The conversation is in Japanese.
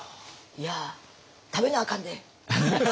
いや食べなあかんで。